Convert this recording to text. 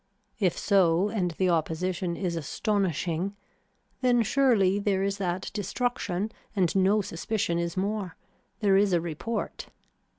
If so and the opposition is astonishing then surely there is that destruction and no suspicion is more, there is a report.